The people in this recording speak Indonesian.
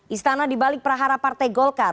istana dibalik prahara partai golkar